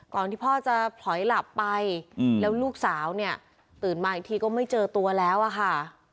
ที่พ่อจะผลอยหลับไปแล้วลูกสาวเนี่ยตื่นมาอีกทีก็ไม่เจอตัวแล้วอะค่ะ